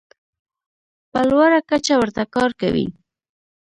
په لوړه کچه ورته کار کوي.